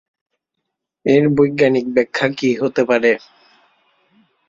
এর বৈজ্ঞানিক ব্যাখ্যা কী হতে পারে?